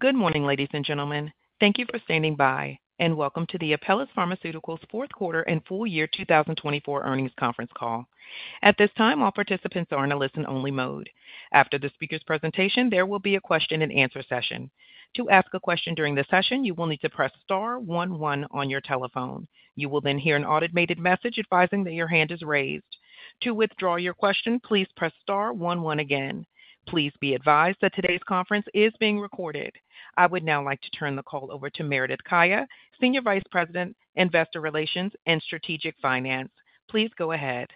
Good morning, ladies and gentlemen. Thank you for standing by, and welcome to the Apellis Pharmaceuticals Q4 and Full Year 2024 Earnings Conference Call. At this time, all participants are in a listen-only mode. After the speaker's presentation, there will be a question-and-answer session. To ask a question during the session, you will need to press star one one on your telephone. You will then hear an automated message advising that your hand is raised. To withdraw your question, please press star one one again. Please be advised that today's conference is being recorded. I would now like to turn the call over to Meredith Kaya, Senior Vice President, Investor Relations and Strategic Finance. Please go ahead.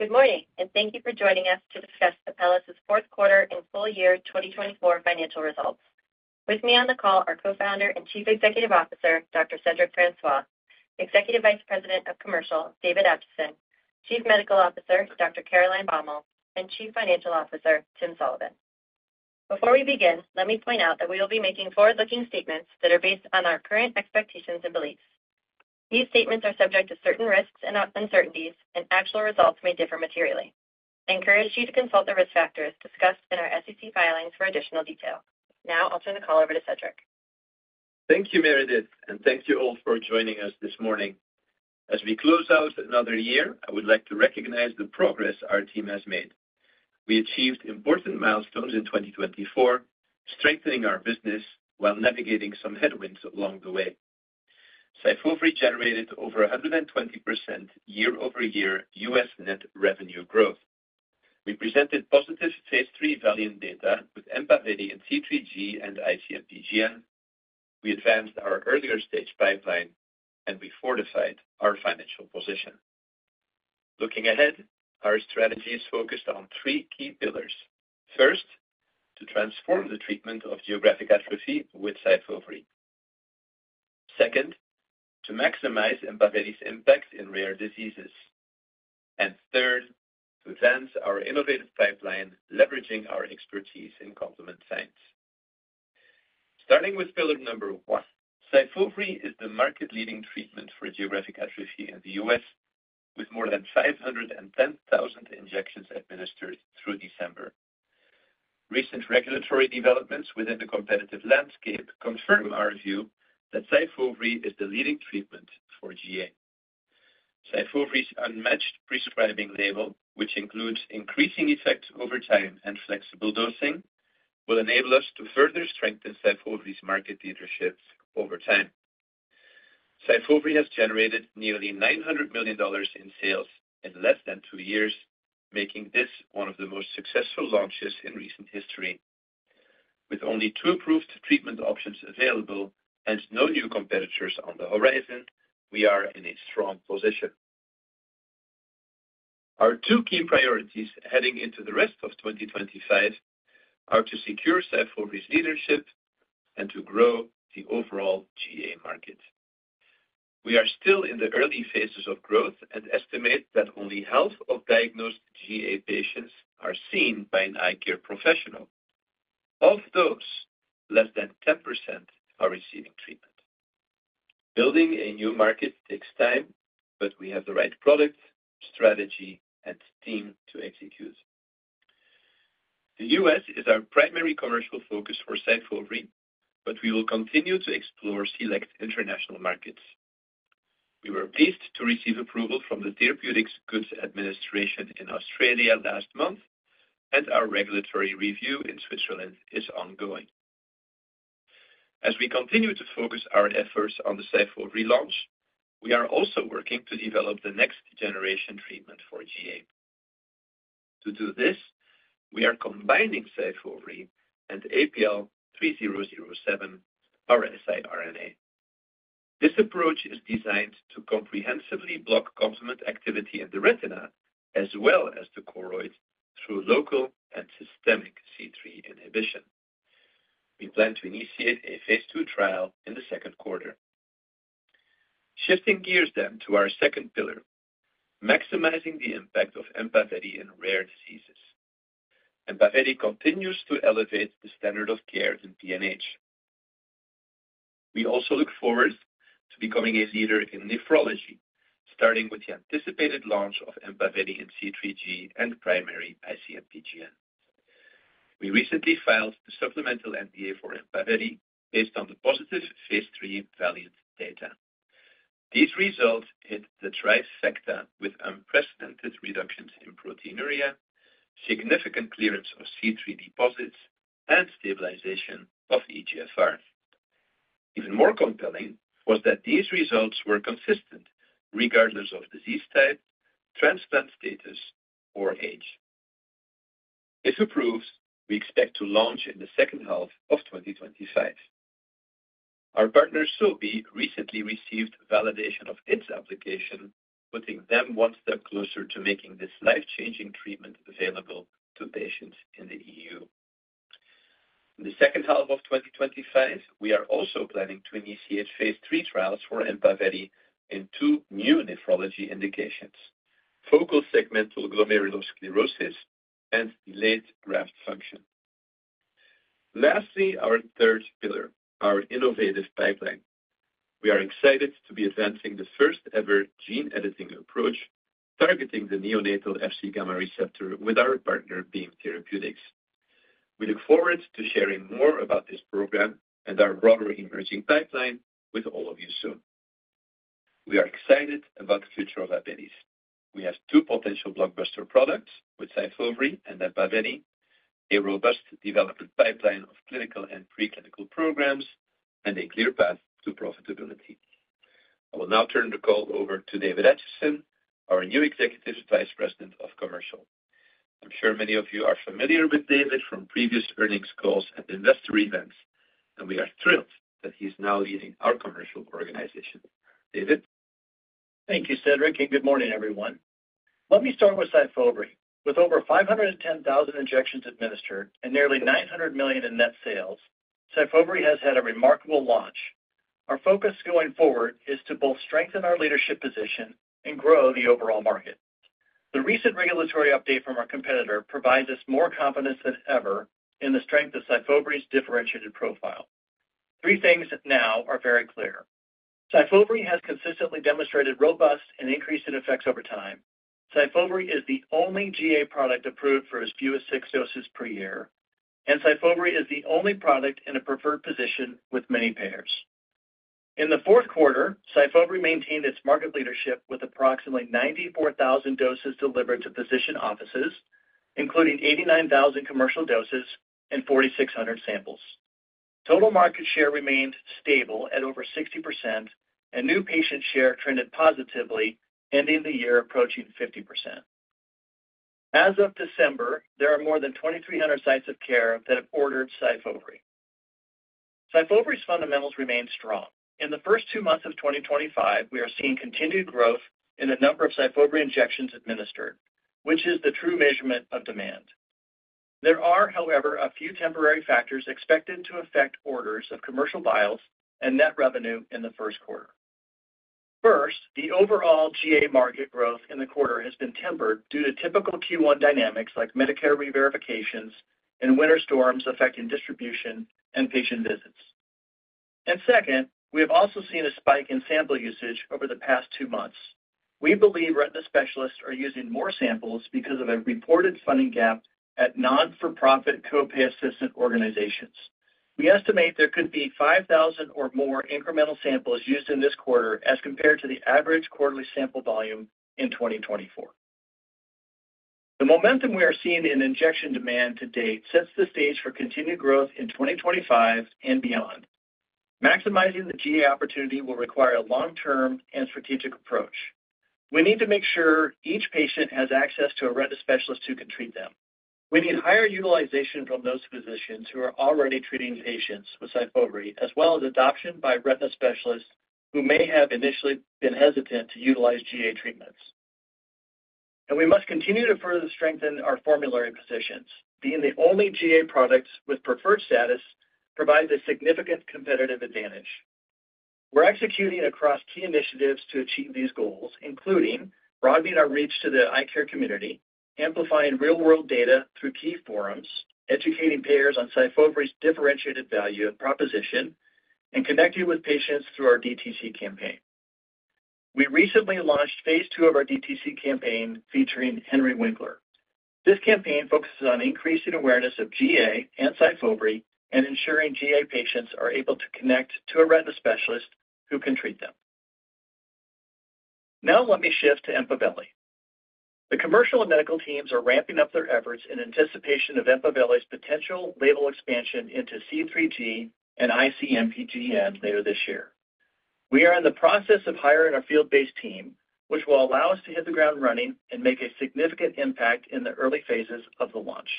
Good morning, and thank you for joining us to discuss Apellis' Q4 and Full Year 2024 financial results. With me on the call are Co-Founder and Chief Executive Officer, Dr. Cedric Francois; Executive Vice President of Commercial, David Acheson; Chief Medical Officer, Dr. Caroline Baumal; and Chief Financial Officer, Tim Sullivan. Before we begin, let me point out that we will be making forward-looking statements that are based on our current expectations and beliefs. These statements are subject to certain risks and uncertainties, and actual results may differ materially. I encourage you to consult the risk factors discussed in our SEC filings for additional detail. Now, I'll turn the call over to Cedric. Thank you, Meredith, and thank you all for joining us this morning. As we close out another year, I would like to recognize the progress our team has made. We achieved important milestones in 2024, strengthening our business while navigating some headwinds along the way. SYFOVRE generated over 120% year-over-year US net revenue growth. We presented positive phase III VALIANT data with EMPAVELI and C3G and IC-MPGN. We advanced our earlier-stage pipeline, and we fortified our financial position. Looking ahead, our strategy is focused on three key pillars. First, to transform the treatment of geographic atrophy with SYFOVRE. Second, to maximize EMPAVELI's impact in rare diseases. And third, to advance our innovative pipeline, leveraging our expertise in complement science. Starting with pillar number one, SYFOVRE is the market-leading treatment for geographic atrophy in the US, with more than 510,000 injections administered through December. Recent regulatory developments within the competitive landscape confirm our view that SYFOVRE is the leading treatment for GA. SYFOVRE's unmatched prescribing label, which includes increasing effect over time and flexible dosing, will enable us to further strengthen SYFOVRE's market leadership over time. SYFOVRE has generated nearly $900 million in sales in less than two years, making this one of the most successful launches in recent history. With only two proved treatment options available and no new competitors on the horizon, we are in a strong position. Our two key priorities heading into the rest of 2025 are to secure SYFOVRE's leadership and to grow the overall GA market. We are still in the early phases of growth and estimate that only half of diagnosed GA patients are seen by an eye care professional. Of those, less than 10% are receiving treatment. Building a new market takes time, but we have the right product, strategy, and team to execute. The US is our primary commercial focus for SYFOVRE, but we will continue to explore select international markets. We were pleased to receive approval from the Therapeutics Goods Administration in Australia last month, and our regulatory review in Switzerland is ongoing. As we continue to focus our efforts on the SYFOVRE launch, we are also working to develop the next-generation treatment for GA. To do this, we are combining SYFOVRE and APL-3007 siRNA. This approach is designed to comprehensively block complement activity in the retina as well as the choroid through local and systemic C3 inhibition. We plan to initiate a phase II trial in the Q2. Shifting gears then to our second pillar, maximizing the impact of EMPAVELI in rare diseases. EMPAVELI continues to elevate the standard of care in PNH. We also look forward to becoming a leader in nephrology, starting with the anticipated launch of EMPAVELI in C3G and primary IC-MPGN. We recently filed the supplemental NDA for EMPAVELI based on the positive phase III VALIANT data. These results hit the trifecta with unprecedented reductions in proteinuria, significant clearance of C3 deposits, and stabilization of eGFR. Even more compelling was that these results were consistent regardless of disease type, transplant status, or age. If approved, we expect to launch in the second half of 2025. Our partner Sobi recently received validation of its application, putting them one step closer to making this life-changing treatment available to patients in the EU. In the second half of 2025, we are also planning to initiate phase III trials for EMPAVELI in two new nephrology indications: focal segmental glomerulosclerosis and delayed graft function. Lastly, our third pillar, our innovative pipeline. We are excited to be advancing the first-ever gene editing approach targeting the neonatal Fc-gamma receptor, with our partner Beam Therapeutics. We look forward to sharing more about this program and our broader emerging pipeline with all of you soon. We are excited about the future of Apellis. We have two potential blockbuster products with SYFOVRE and EMPAVELI, a robust development pipeline of clinical and preclinical programs, and a clear path to profitability. I will now turn the call over to David Acheson, our new Executive Vice President of Commercial. I'm sure many of you are familiar with David from previous earnings calls and investor events, and we are thrilled that he's now leading our commercial organization. David? Thank you, Cedric, and good morning, everyone. Let me start with SYFOVRE. With over 510,000 injections administered and nearly $900 million in net sales, SYFOVRE has had a remarkable launch. Our focus going forward is to both strengthen our leadership position and grow the overall market. The recent regulatory update from our competitor provides us more confidence than ever in the strength of SYFOVRE's differentiated profile. Three things now are very clear. SYFOVRE has consistently demonstrated robust and increasing effects over time. SYFOVRE is the only GA product approved for as few as six doses per year, and SYFOVRE is the only product in a preferred position with many payers. In the Q4, SYFOVRE maintained its market leadership with approximately 94,000 doses delivered to physician offices, including 89,000 commercial doses and 4,600 samples. Total market share remained stable at over 60%, and new patient share trended positively, ending the year approaching 50%. As of December, there are more than 2,300 sites of care that have ordered SYFOVRE. SYFOVRE's fundamentals remain strong. In the first two months of 2025, we are seeing continued growth in the number of SYFOVRE injections administered, which is the true measurement of demand. There are, however, a few temporary factors expected to affect orders of commercial vials and net revenue in the Q1. First, the overall GA market growth in the quarter has been tempered due to typical Q1 dynamics like Medicare re-verifications and winter storms affecting distribution and patient visits. and second, we have also seen a spike in sample usage over the past two months. We believe retina specialists are using more samples because of a reported funding gap at non-for-profit co-pay assistant organizations. We estimate there could be 5,000 or more incremental samples used in this quarter as compared to the average quarterly sample volume in 2024. The momentum we are seeing in injection demand to date sets the stage for continued growth in 2025 and beyond. Maximizing the GA opportunity will require a long-term and strategic approach. We need to make sure each patient has access to a retina specialist who can treat them. We need higher utilization from those physicians who are already treating patients with SYFOVRE, as well as adoption by retina specialists who may have initially been hesitant to utilize GA treatments. We must continue to further strengthen our formulary positions, being the only GA products with preferred status provide a significant competitive advantage. We're executing across key initiatives to achieve these goals, including broadening our reach to the eye care community, amplifying real-world data through key forums, educating payers on SYFOVRE's differentiated value and proposition, and connecting with patients through our DTC campaign. We recently launched Phase 2 of our DTC campaign featuring Henry Winkler. This campaign focuses on increasing awareness of GA and SYFOVRE and ensuring GA patients are able to connect to a retina specialist who can treat them. Now, let me shift to EMPAVELI. The commercial and medical teams are ramping up their efforts in anticipation of EMPAVELI's potential label expansion into C3G and IC-MPGN later this year. We are in the process of hiring our field-based team, which will allow us to hit the ground running and make a significant impact in the early phases of the launch.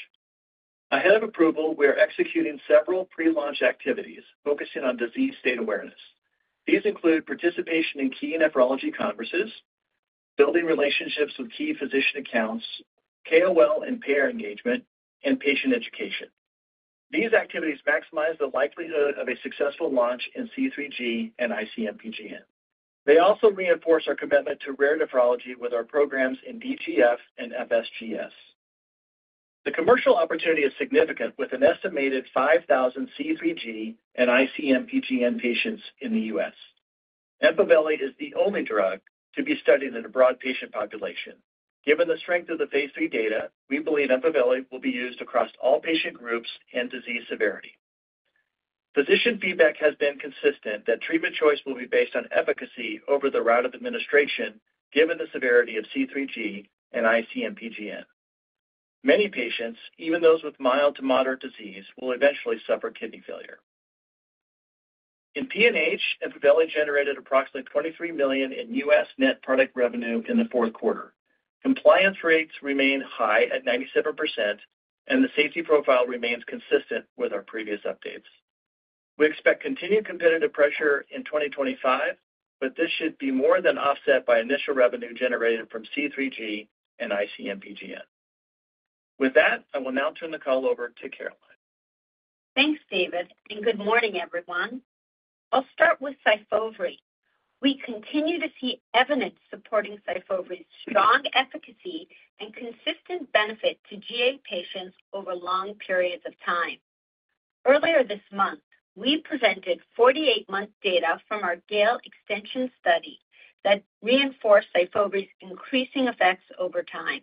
Ahead of approval, we are executing several pre-launch activities focusing on disease state awareness. These include participation in key nephrology conferences, building relationships with key physician accounts, KOL and payer engagement, and patient education. These activities maximize the likelihood of a successful launch in C3G and IC-MPGN. They also reinforce our commitment to rare nephrology with our programs in DGF and FSGS. The commercial opportunity is significant, with an estimated 5,000 C3G and IC-MPGN patients in the US EMPAVELI is the only drug to be studied in a broad patient population. Given the strength of the phase III data, we believe EMPAVELI will be used across all patient groups and disease severity. Physician feedback has been consistent that treatment choice will be based on efficacy over the route of administration, given the severity of C3G and IC-MPGN. Many patients, even those with mild to moderate disease, will eventually suffer kidney failure. In PNH, EMPAVELI generated approximately $23 million in US net product revenue in the Q4. Compliance rates remain high at 97%, and the safety profile remains consistent with our previous updates. We expect continued competitive pressure in 2025, but this should be more than offset by initial revenue generated from C3G and IC-MPGN. With that, I will now turn the call over to Caroline. Thanks, David, and good morning, everyone. I'll start with SYFOVRE. We continue to see evidence supporting SYFOVRE's strong efficacy and consistent benefit to GA patients over long periods of time. Earlier this month, we presented 48-month data from our Gale extension study that reinforced SYFOVRE's increasing effects over time.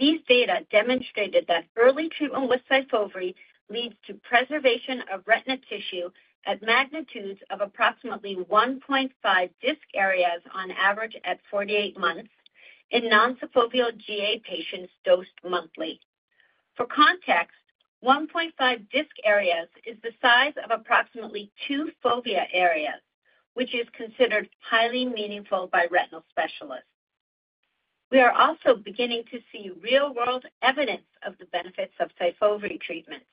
These data demonstrated that early treatment with SYFOVRE leads to preservation of retina tissue at magnitudes of approximately 1.5 disc areas on average at 48 months in non-foveal GA patients dosed monthly. For context, 1.5 disc areas is the size of approximately two fovea areas, which is considered highly meaningful by retinal specialists. We are also beginning to see real-world evidence of the benefits of SYFOVRE treatments.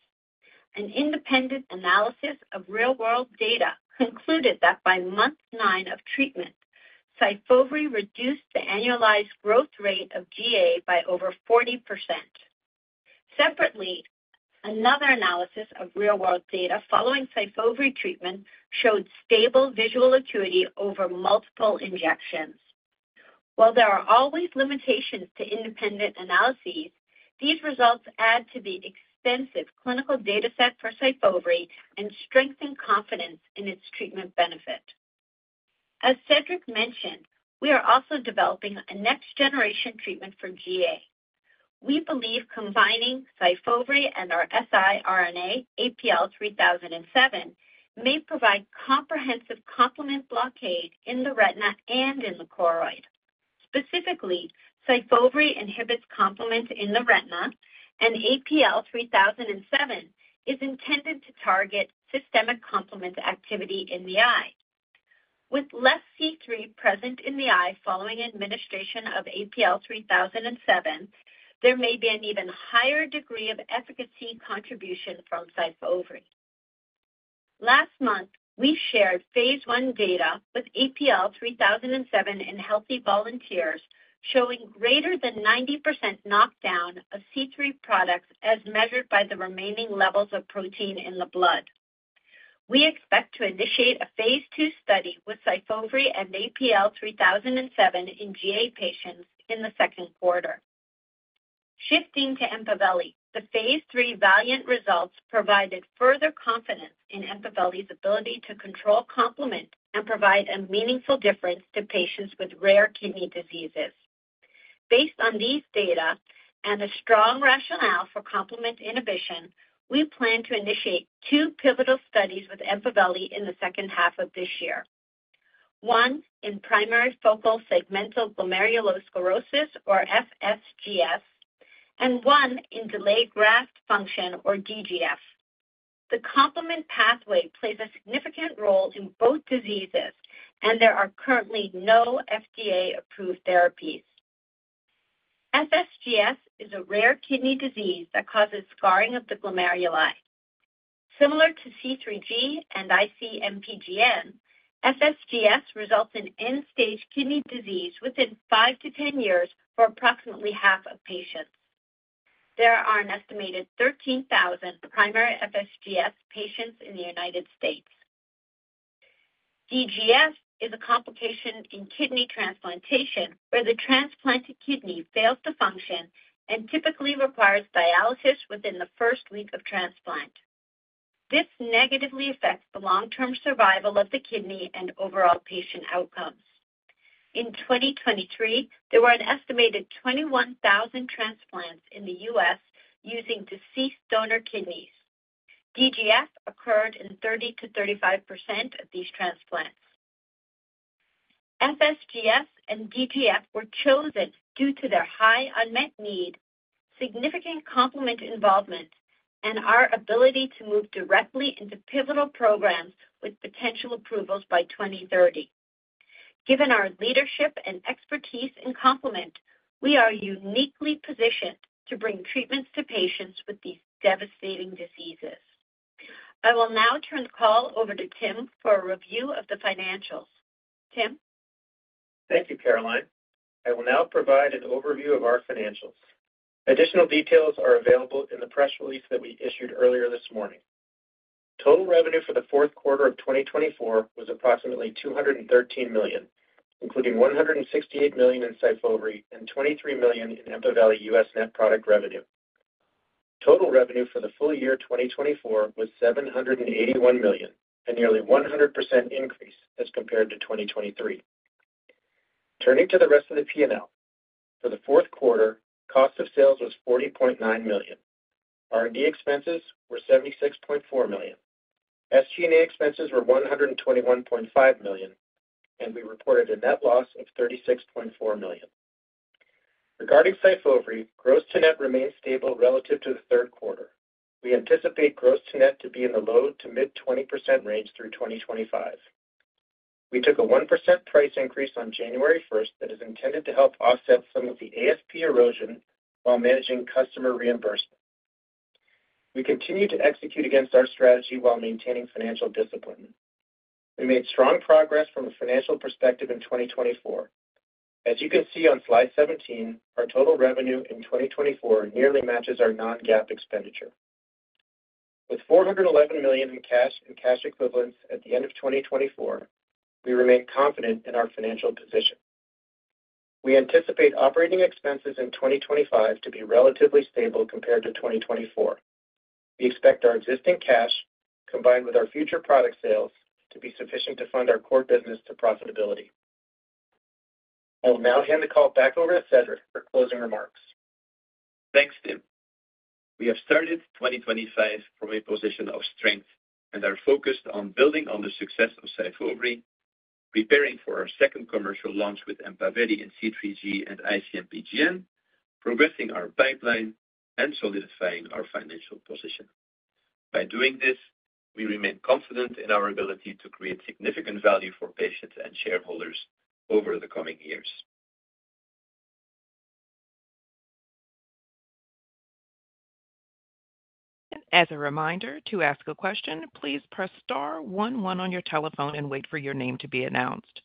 An independent analysis of real-world data concluded that by month nine of treatment, SYFOVRE reduced the annualized growth rate of GA by over 40%. Separately, another analysis of real-world data following SYFOVRE treatment showed stable visual acuity over multiple injections. While there are always limitations to independent analyses, these results add to the extensive clinical dataset for SYFOVRE and strengthen confidence in its treatment benefit. As Cedric mentioned, we are also developing a next-generation treatment for GA. We believe combining SYFOVRE and our siRNA APL-3007 may provide comprehensive complement blockade in the retina and in the choroid. Specifically, SYFOVRE inhibits complement in the retina, and APL-3007 is intended to target systemic complement activity in the eye. With less C3 present in the eye following administration of APL-3007, there may be an even higher degree of efficacy contribution from SYFOVRE. Last month, we shared phase I data with APL-3007 in healthy volunteers, showing greater than 90% knockdown of C3 products as measured by the remaining levels of protein in the blood. We expect to initiate a Phase 2 study with SYFOVRE and APL-3007 in GA patients in the Q2. Shifting to EMPAVELI, the Phase 3 VALIANT results provided further confidence in EMPAVELI's ability to control complement and provide a meaningful difference to patients with rare kidney diseases. Based on these data and a strong rationale for complement inhibition, we plan to initiate two pivotal studies with EMPAVELI in the second half of this year: one in primary focal segmental glomerulosclerosis, or FSGS, and one in delayed graft function, or DGF. The complement pathway plays a significant role in both diseases, and there are currently no FDA-approved therapies. FSGS is a rare kidney disease that causes scarring of the glomeruli. Similar to C3G and IC-MPGN, FSGS results in end-stage kidney disease within 5 to 10 years for approximately half of patients. There are an estimated 13,000 primary FSGS patients in the United States. DGF is a complication in kidney transplantation where the transplanted kidney fails to function and typically requires dialysis within the first week of transplant. This negatively affects the long-term survival of the kidney and overall patient outcomes. In 2023, there were an estimated 21,000 transplants in the US using deceased donor kidneys. DGF occurred in 30%-35% of these transplants. FSGS and DGF were chosen due to their high unmet need, significant complement involvement, and our ability to move directly into pivotal programs with potential approvals by 2030. Given our leadership and expertise in complement, we are uniquely positioned to bring treatments to patients with these devastating diseases. I will now turn the call over to Tim for a review of the financials. Tim? Thank you, Caroline. I will now provide an overview of our financials. Additional details are available in the press release that we issued earlier this morning. Total revenue for the Q4 of 2024 was approximately $213 million, including $168 million in SYFOVRE and $23 million in EMPAVELI US net product revenue. Total revenue for the full year 2024 was $781 million, a nearly 100% increase as compared to 2023. Turning to the rest of the P&L, for the Q4, cost of sales was $40.9 million. R&D expenses were $76.4 million. SG&A expenses were $121.5 million, and we reported a net loss of $36.4 million. Regarding SYFOVRE, gross to net remained stable relative to the Q3. We anticipate gross to net to be in the low-to-mid-20% range through 2025. We took a 1% price increase on 1 January that is intended to help offset some of the ASP erosion while managing customer reimbursement. We continue to execute against our strategy while maintaining financial discipline. We made strong progress from a financial perspective in 2024. As you can see on slide 17, our total revenue in 2024 nearly matches our non-GAAP expenditure. With $411 million in cash and cash equivalents at the end of 2024, we remain confident in our financial position. We anticipate operating expenses in 2025 to be relatively stable compared to 2024. We expect our existing cash, combined with our future product sales, to be sufficient to fund our core business to profitability. I will now hand the call back over to Cedric for closing remarks. Thanks, Tim. We have started 2025 from a position of strength and are focused on building on the success of SYFOVRE, preparing for our second commercial launch with EMPAVELI in C3G and IC-MPGN, progressing our pipeline, and solidifying our financial position. By doing this, we remain confident in our ability to create significant value for patients and shareholders over the coming years. As a reminder, to ask a question, please press star 11 on your telephone and wait for your name to be announced.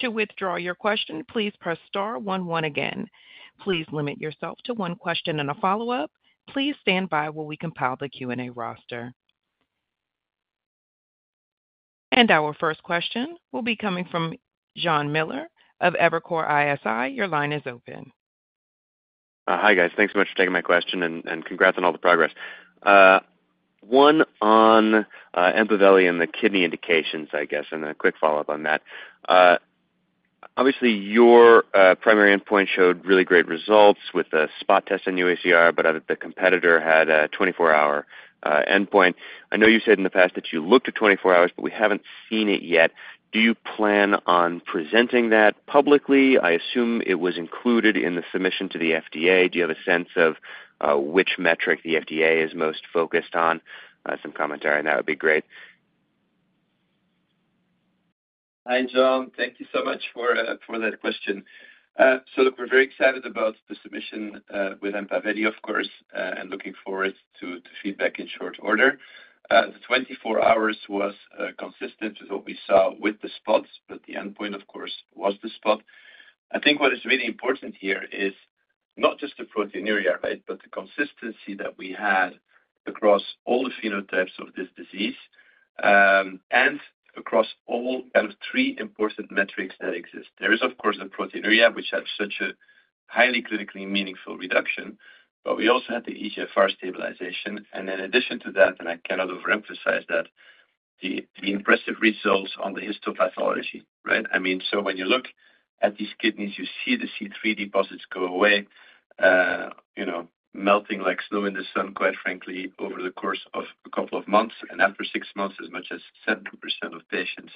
To withdraw your question, please press star 11 again. Please limit yourself to one question and a follow-up. Please stand by while we compile the Q&A roster. And our first question will be coming from John Miller of Evercore ISI. Your line is open. Hi, guys. Thanks so much for taking my question and congrats on all the progress. One on EMPAVELI and the kidney indications, I guess, and a quick follow-up on that. Obviously, your primary endpoint showed really great results with a spot test on UACR, but the competitor had a 24-hour endpoint. I know you said in the past that you looked at 24 hours, but we haven't seen it yet. Do you plan on presenting that publicly? I assume it was included in the submission to the FDA. Do you have a sense of which metric the FDA is most focused on? Some commentary, and that would be great. Hi, John. Thank you so much for that question. So we're very excited about the submission with EMPAVELI, of course, and looking forward to feedback in short order. The 24 hours was consistent with what we saw with the spots, but the endpoint, of course, was the spot. I think what is really important here is not just the proteinuria, right, but the consistency that we had across all the phenotypes of this disease and across all kind of three important metrics that exist. There is, of course, the proteinuria, which had such a highly clinically meaningful reduction, but we also had the eGFR stabilization. And in addition to that, and I cannot overemphasize that, the impressive results on the histopathology, right? I mean, so when you look at these kidneys, you see the C3 deposits go away, melting like snow in the sun, quite frankly, over the course of a couple of months. And after six months, as much as 70% of patients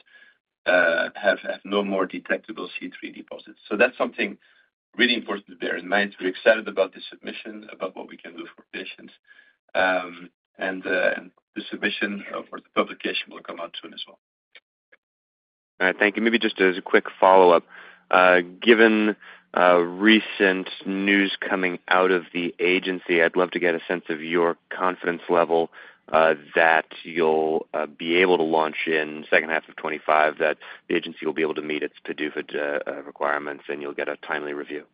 have no more detectable C3 deposits. So that's something really important to bear in mind. We're excited about the submission, about what we can do for patients. And the submission for the publication will come out soon as well. All right. Thank you. Maybe just as a quick follow-up, given recent news coming out of the agency, I'd love to get a sense of your confidence level that you'll be able to launch in the second half of 2025, that the agency will be able to meet its PDUFA requirements, and you'll get a timely review?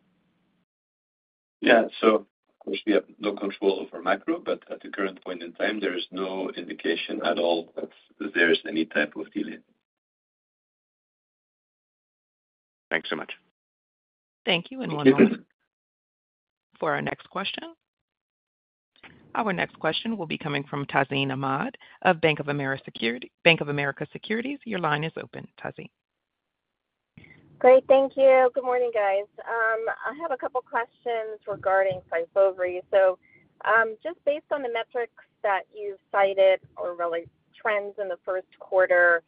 Yeah. So, of course, we have no control over macro, but at the current point in time, there is no indication at all that there is any type of delay. Thanks so much. Thank you. And one moment for our next question. Our next question will be coming from Tazeen Ahmad of Bank of America Securities. Your line is open, Tazeen. Great. Thank you. Good morning, guys. I have a couple of questions regarding SYFOVRE. So just based on the metrics that you've cited or really trends in the Q1,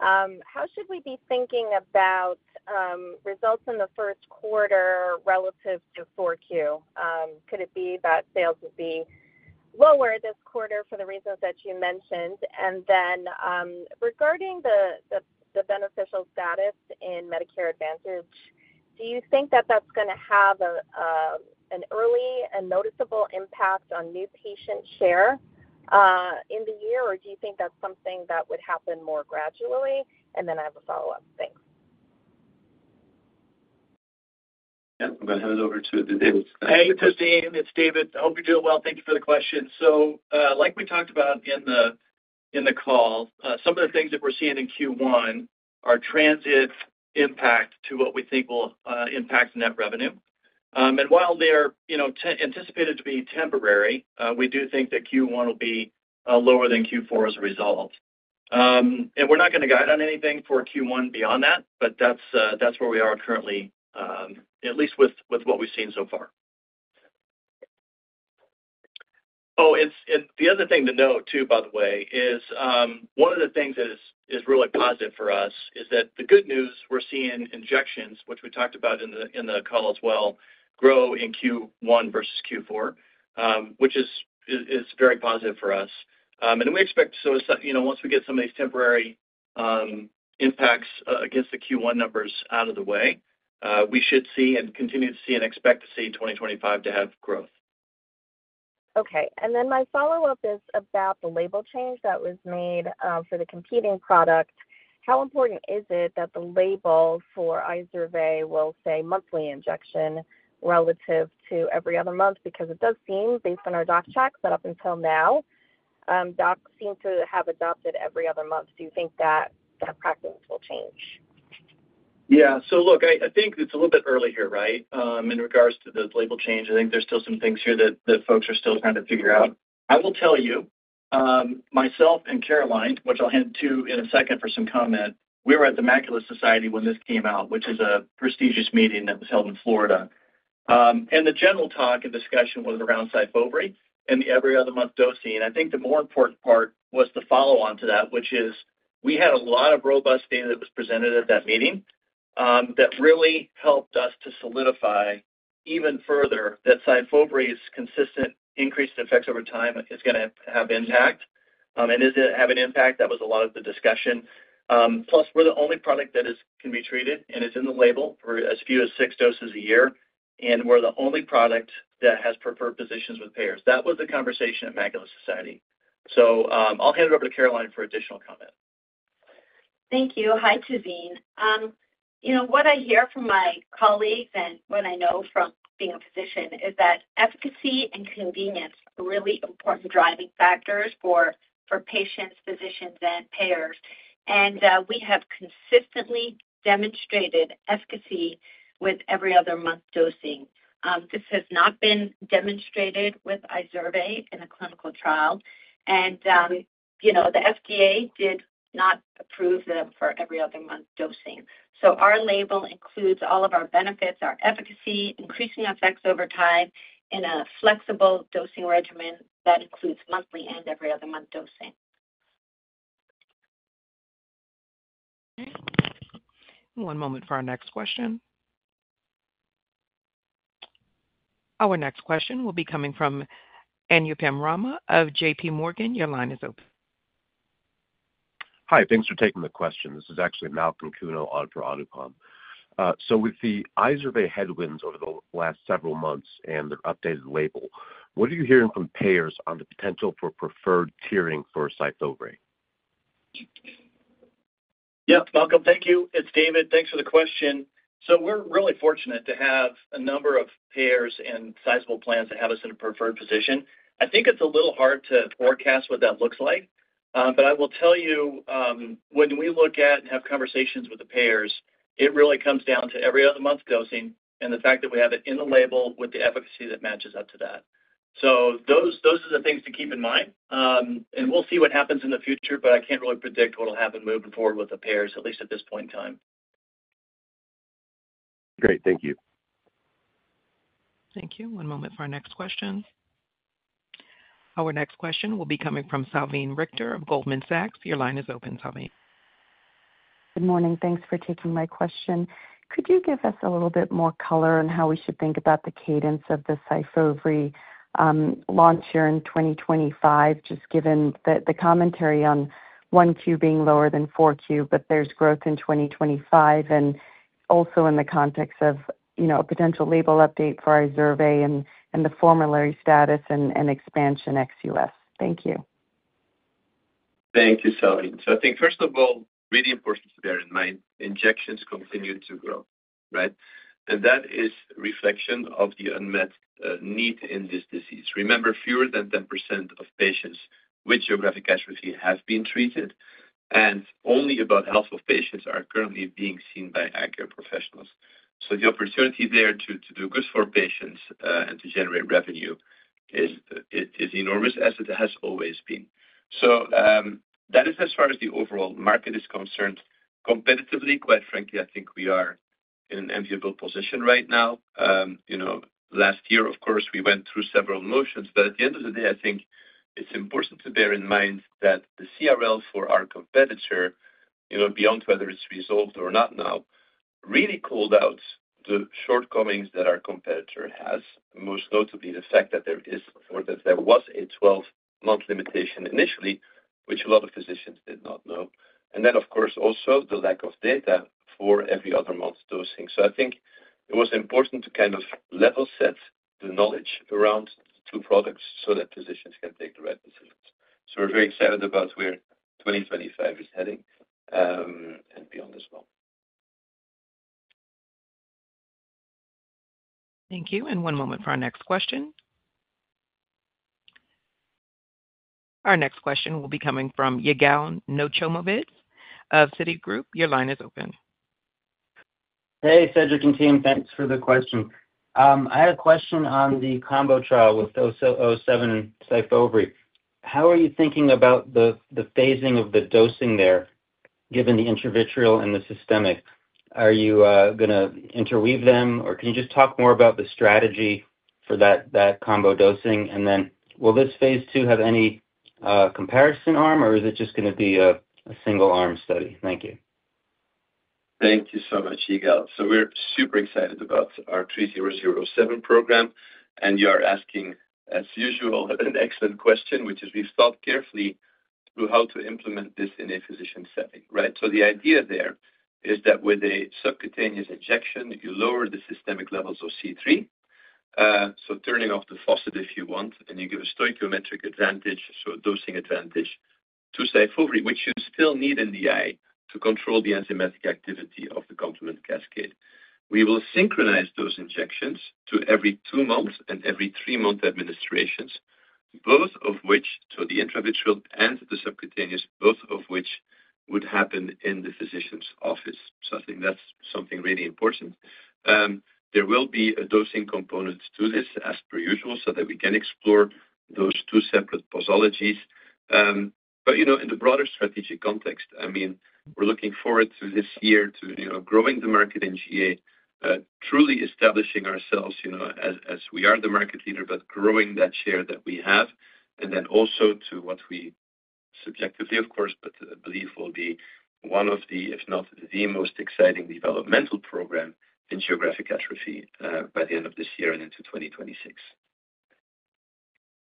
how should we be thinking about results in the Q1 relative to Q4? Could it be that sales would be lower this quarter for the reasons that you mentioned? And then regarding the beneficial status in Medicare Advantage, do you think that that's going to have an early and noticeable impact on new patient share in the year, or do you think that's something that would happen more gradually? And then I have a follow-up. Thanks. Yeah. I'm going to hand it over to David. Hey, Tazeen. It's David. I hope you're doing well. Thank you for the question. So like we talked about in the call, some of the things that we're seeing in Q1 are transient impact to what we think will impact net revenue. And while they're anticipated to be temporary, we do think that Q1 will be lower than Q4 as a result. And we're not going to guide on anything for Q1 beyond that, but that's where we are currently, at least with what we've seen so far. Oh, and the other thing to note, too, by the way, is one of the things that is really positive for us is that the good news we're seeing injections, which we talked about in the call as well, grow in Q1 versus Q4, which is very positive for us. We expect once we get some of these temporary impacts against the Q1 numbers out of the way, we should see and continue to see and expect to see 2025 to have growth. Okay. And then my follow-up is about the label change that was made for the competing product. How important is it that the label for Izervay will say monthly injection relative to every other month? Because it does seem, based on our doc checks, that up until now, docs seem to have adopted every other month. Do you think that that practice will change? Yeah. So look, I think it's a little bit early here, right, in regards to the label change. I think there's still some things here that folks are still trying to figure out. I will tell you, myself and Caroline, which I'll hand to in a second for some comment, we were at the Macula Society when this came out, which is a prestigious meeting that was held in Florida, and the general talk and discussion was around SYFOVRE and the every other month dosing. I think the more important part was to follow on to that, which is we had a lot of robust data that was presented at that meeting that really helped us to solidify even further that SYFOVRE's consistent increase in effects over time is going to have impact, and is it having impact? That was a lot of the discussion. Plus, we're the only product that can be treated, and it's in the label for as few as six doses a year. And we're the only product that has preferred positions with payers. That was the conversation at Macula Society. So I'll hand it over to Caroline for additional comment. Thank you. Hi, Tazeen. What I hear from my colleagues and what I know from being a physician is that efficacy and convenience are really important driving factors for patients, physicians, and payers. And we have consistently demonstrated efficacy with every other month dosing. This has not been demonstrated with Izervay in a clinical trial. And the FDA did not approve them for every other month dosing. So our label includes all of our benefits, our efficacy, increasing effects over time in a flexible dosing regimen that includes monthly and every other month dosing. One moment for our next question. Our next question will be coming from Anupam Rama of JPMorgan. Your line is open. Hi. Thanks for taking the question. This is actually Malcolm Kuno on for Anupam. So with the Izervay headwinds over the last several months and their updated label, what are you hearing from payers on the potential for preferred tiering for SYFOVRE? Yep. Malcolm, thank you. It's David. Thanks for the question. So we're really fortunate to have a number of payers and sizable plans that have us in a preferred position. I think it's a little hard to forecast what that looks like. But I will tell you, when we look at and have conversations with the payers, it really comes down to every other month dosing and the fact that we have it in the label with the efficacy that matches up to that. So those are the things to keep in mind. And we'll see what happens in the future, but I can't really predict what will happen moving forward with the payers, at least at this point in time. Great. Thank you. Thank you. One moment for our next question. Our next question will be coming from Salveen Richter of Goldman Sachs. Your line is open, Salveen. Good morning. Thanks for taking my question. Could you give us a little bit more color on how we should think about the cadence of the SYFOVRE launch here in 2025, just given the commentary on Q1 being lower than Q4, but there's growth in 2025 and also in the context of a potential label update for Izervay and the formulary status and expansion ex-US? Thank you. Thank you, Salveen. So I think, first of all, really important to bear in mind, injections continue to grow, right? And that is a reflection of the unmet need in this disease. Remember, fewer than 10% of patients with geographic atrophy have been treated, and only about half of patients are currently being seen by retina professionals. So the opportunity there to do good for patients and to generate revenue is enormous, as it has always been. So that is as far as the overall market is concerned. Competitively, quite frankly, I think we are in an enviable position right now. Last year, of course, we went through several months. But at the end of the day, I think it's important to bear in mind that the CRL for our competitor, beyond whether it's resolved or not now, really called out the shortcomings that our competitor has, most notably the fact that there was a 12-month limitation initially, which a lot of physicians did not know. And then, of course, also the lack of data for every other month dosing. So I think it was important to kind of level set the knowledge around the two products so that physicians can take the right decisions. So we're very excited about where 2025 is heading and beyond as well. Thank you. And one moment for our next question. Our next question will be coming from Yigal Nochomovitz of Citigroup. Your line is open. Hey, Cedric and team. Thanks for the question. I had a question on the combo trial with 07 SYFOVRE. How are you thinking about the phasing of the dosing there, given the intravitreal and the systemic? Are you going to interweave them, or can you just talk more about the strategy for that combo dosing? And then will this phase two have any comparison arm, or is it just going to be a single arm study? Thank you. Thank you so much, Yigal. We're super excited about our APL-3007 program. You are asking, as usual, an excellent question, which is we've thought carefully through how to implement this in a physician setting, right? The idea there is that with a subcutaneous injection, you lower the systemic levels of C3, so turning off the faucet if you want, and you give a stoichiometric advantage, so dosing advantage to SYFOVRE, which you still need in the eye to control the enzymatic activity of the complement cascade. We will synchronize those injections to every two months and every three-month administrations, both of which, so the intravitreal and the subcutaneous, both of which would happen in the physician's office. I think that's something really important. There will be a dosing component to this, as per usual, so that we can explore those two separate posologies. But in the broader strategic context, I mean, we're looking forward to this year to growing the market in GA, truly establishing ourselves as we are the market leader, but growing that share that we have, and then also to what we subjectively, of course, but believe will be one of the, if not the most exciting developmental programs in geographic atrophy by the end of this year and into 2026.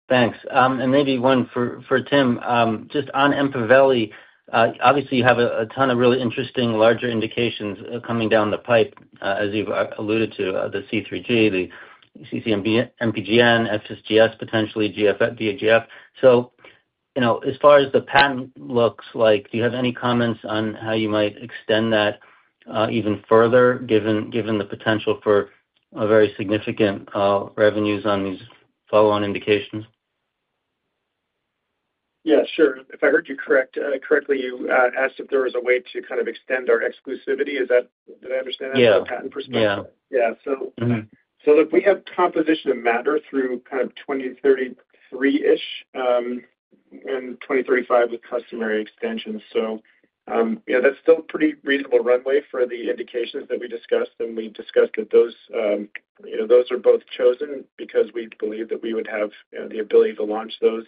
Thanks. And maybe one for Tim. Just on EMPAVELI, obviously, you have a ton of really interesting larger indications coming down the pipe, as you've alluded to, the C3G, the IC-MPGN, FSGS, potentially GFF DGF. So as far as the patent looks like, do you have any comments on how you might extend that even further, given the potential for very significant revenues on these follow-on indications? Yeah, sure. If I heard you correctly, you asked if there was a way to kind of extend our exclusivity. Did I understand that? Yeah. From a patent perspective? Yeah. Yeah. So look, we have composition of matter through kind of 2033-ish and 2035 with customary extensions. So that's still a pretty reasonable runway for the indications that we discussed. And we discussed that those are both chosen because we believe that we would have the ability to launch those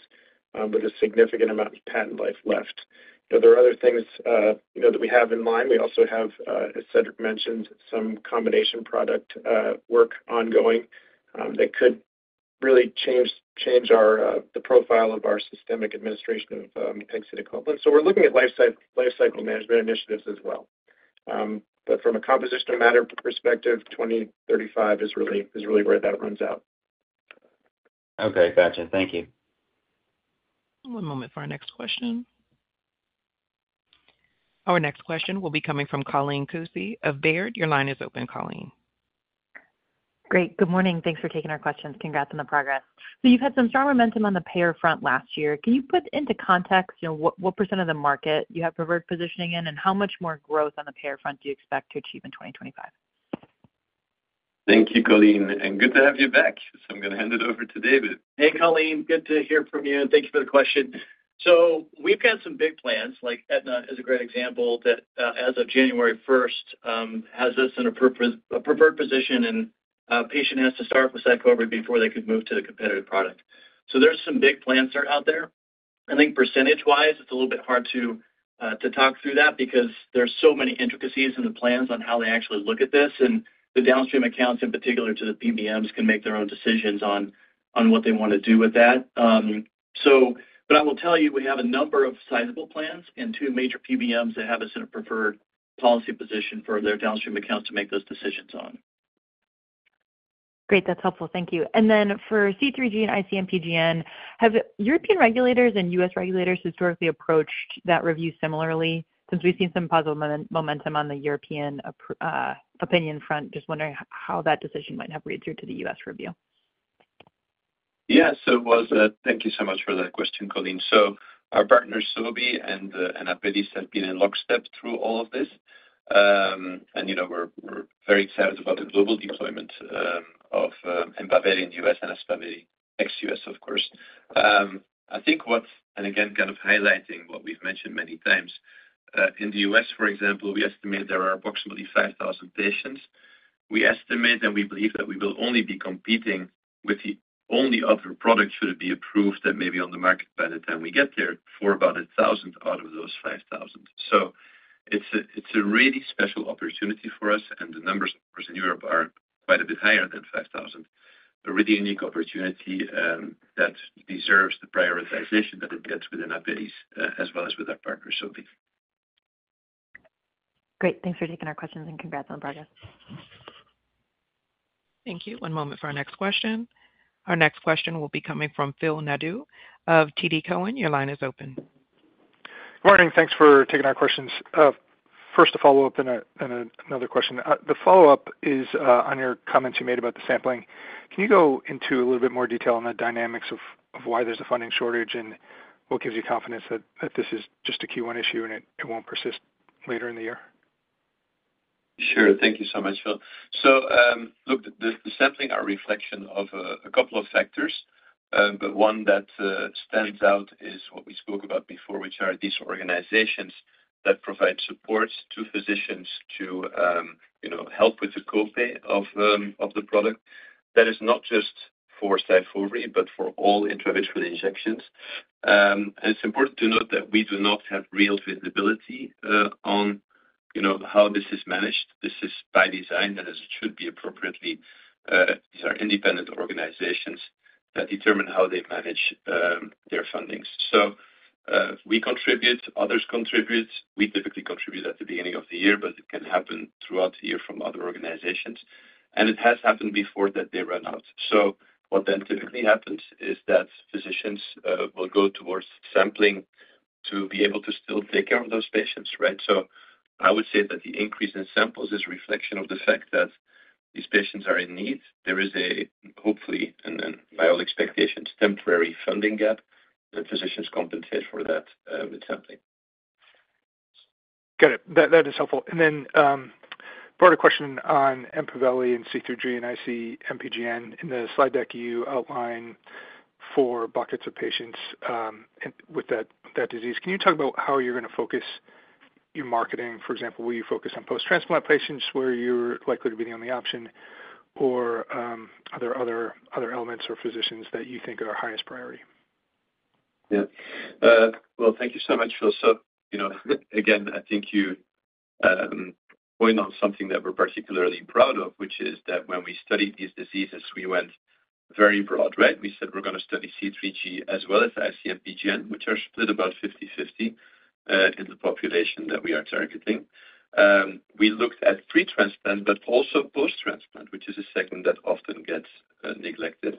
with a significant amount of patent life left. There are other things that we have in line. We also have, as Cedric mentioned, some combination product work ongoing that could really change the profile of our systemic administration of C3 complement. So we're looking at lifecycle management initiatives as well. But from a composition of matter perspective, 2035 is really where that runs out. Okay. Gotcha. Thank you. One moment for our next question. Our next question will be coming from Colleen Kusy of Baird. Your line is open, Colleen. Great. Good morning. Thanks for taking our questions. Congrats on the progress. So you've had some strong momentum on the payer front last year. Can you put into context what percent of the market you have preferred positioning in, and how much more growth on the payer front do you expect to achieve in 2025? Thank you, Colleen. And good to have you back. So I'm going to hand it over to David. Hey, Colleen. Good to hear from you and thank you for the question. So we've got some big plans. Aetna is a great example that, as of January 1st, has us in a preferred position, and a patient has to start with SYFOVRE before they could move to the competitive product. So there's some big plans that are out there. I think percentage-wise, it's a little bit hard to talk through that because there's so many intricacies in the plans on how they actually look at this. And the downstream accounts, in particular to the PBMs, can make their own decisions on what they want to do with that. But I will tell you, we have a number of sizable plans and two major PBMs that have us in a preferred policy position for their downstream accounts to make those decisions on. Great. That's helpful. Thank you. And then for C3G and IC-MPGN, have European regulators and US regulators historically approached that review similarly? Since we've seen some positive momentum on the European opinion front, just wondering how that decision might have read through to the US review. Yes. Thank you so much for that question, Colleen. So our partners, Sobi and Apellis, have been in lockstep through all of this. And we're very excited about the global deployment of EMPAVELI in the US and Aspaveli ex-US, of course. I think what's, and again, kind of highlighting what we've mentioned many times, in the US, for example, we estimate there are approximately 5,000 patients. We estimate and we believe that we will only be competing with the only other product should it be approved that may be on the market by the time we get there for about 1,000 out of those 5,000. So it's a really special opportunity for us. And the numbers in Europe are quite a bit higher than 5,000. A really unique opportunity that deserves the prioritization that it gets within Apellis as well as with our partner, Sobi. Great. Thanks for taking our questions and congrats on the progress. Thank you. One moment for our next question. Our next question will be coming from Phil Nadeau of TD Cowen. Your line is open. Good morning. Thanks for taking our questions. First, a follow-up and another question. The follow-up is on your comments you made about the sampling. Can you go into a little bit more detail on the dynamics of why there's a funding shortage and what gives you confidence that this is just a Q1 issue and it won't persist later in the year? Sure. Thank you so much, Phil. So look, the sampling are a reflection of a couple of factors. But one that stands out is what we spoke about before, which are these organizations that provide supports to physicians to help with the copay of the product. That is not just for SYFOVRE, but for all intravitreal injections. And it's important to note that we do not have real visibility on how this is managed. This is by design, and as it should be appropriately, these are independent organizations that determine how they manage their fundings. So we contribute, others contribute. We typically contribute at the beginning of the year, but it can happen throughout the year from other organizations. And it has happened before that they run out. So what then typically happens is that physicians will go towards sampling to be able to still take care of those patients, right? So I would say that the increase in samples is a reflection of the fact that these patients are in need. There is a, hopefully, and by all expectations, temporary funding gap, and physicians compensate for that with sampling. Got it. That is helpful. And then for the question on EMPAVELI and C3G and IC-MPGN, in the slide deck, you outline four buckets of patients with that disease. Can you talk about how you're going to focus your marketing? For example, will you focus on post-transplant patients where you're likely to be the only option, or are there other elements or physicians that you think are our highest priority? Yeah, well, thank you so much, Phil. So again, I think you point on something that we're particularly proud of, which is that when we studied these diseases, we went very broad, right? We said, "We're going to study C3G as well as IC-MPGN," which are split about 50/50 in the population that we are targeting. We looked at pre-transplant, but also post-transplant, which is a segment that often gets neglected.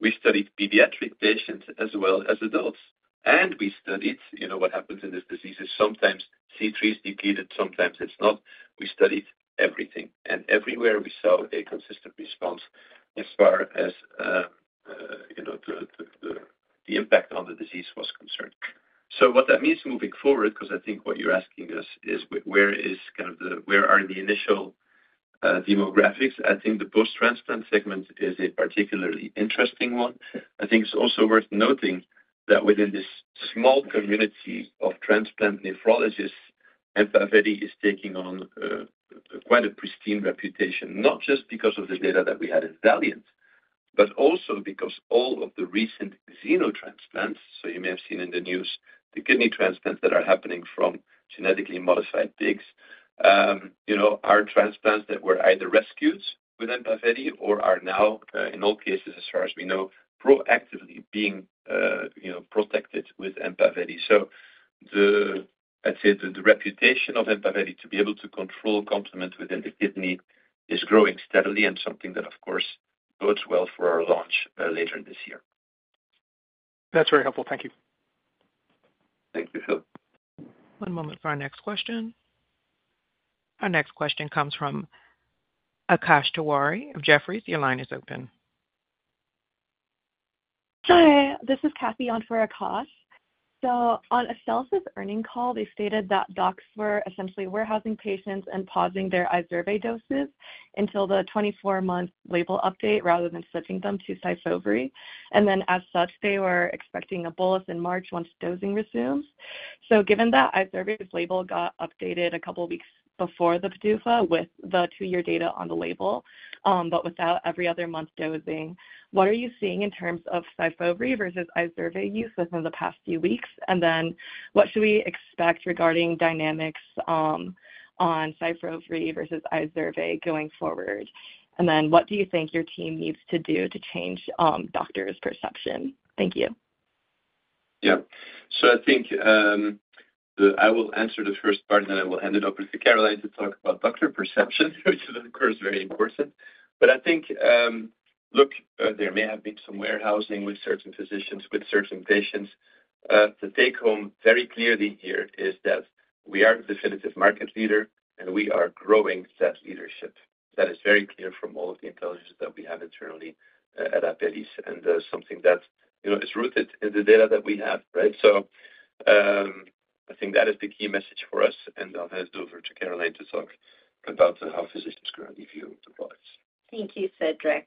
We studied pediatric patients as well as adults, and we studied what happens in this disease is sometimes C3 is depleted, sometimes it's not. We studied everything, and everywhere we saw a consistent response as far as the impact on the disease was concerned. So what that means moving forward, because I think what you're asking us is, where are the initial demographics? I think the post-transplant segment is a particularly interesting one. I think it's also worth noting that within this small community of transplant nephrologists, EMPAVELI is taking on quite a pristine reputation, not just because of the data that we had in VALIANT, but also because all of the recent xenotransplants, so you may have seen in the news the kidney transplants that are happening from genetically modified pigs, are transplants that were either rescued with EMPAVELI or are now, in all cases, as far as we know, proactively being protected with EMPAVELI. So I'd say the reputation of EMPAVELI to be able to control complement within the kidney is growing steadily and something that, of course, bodes well for our launch later this year. That's very helpful. Thank you. Thank you, Phil. One moment for our next question. Our next question comes from Akash Tewari of Jefferies. Your line is open. Hi. This is Kathy on for Akash. So on an Astellas earnings call, they stated that docs were essentially warehousing patients and pausing their Izervay doses until the 24-month label update rather than switching them to SYFOVRE. And then, as such, they were expecting a bolus in March once dosing resumes. So given that Izervay's label got updated a couple of weeks before the PDUFA with the two-year data on the label, but without every other month dosing, what are you seeing in terms of SYFOVRE versus Izervay use within the past few weeks? And then what should we expect regarding dynamics on SYFOVRE versus Izervay going forward? And then what do you think your team needs to do to change doctors' perception? Thank you. Yeah. So I think I will answer the first part, and then I will hand it over to Caroline to talk about doctor perception, which is, of course, very important. But I think, look, there may have been some warehousing with certain physicians, with certain patients. The take home very clearly here is that we are a definitive market leader, and we are growing that leadership. That is very clear from all of the intelligence that we have internally at Apellis and something that is rooted in the data that we have, right? So I think that is the key message for us. And I'll hand it over to Caroline to talk about how physicians currently view the products. Thank you, Cedric.